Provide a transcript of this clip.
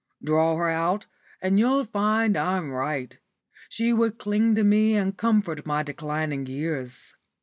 Draw her out and you'll find I'm right. She would cling to me and comfort my declining years.